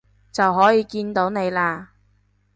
就可以見到你喇